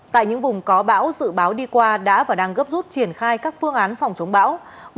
tại những vùng có bão dự báo đi qua đã và đang gấp rút triển khai các phương án phòng chống bão